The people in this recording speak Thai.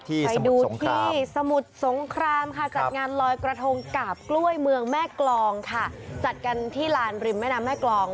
ไปดูที่สมุทรสงครามค่ะจัดงานลอยกระทงกาบกล้วยเมืองแม่กรองค่ะจัดกันที่ลานริมแม่น้ำแม่กรอง